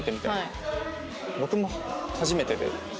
僕も初めてで。